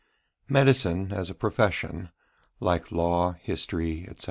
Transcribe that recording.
Medicine, as a profession, like Law, History, etc.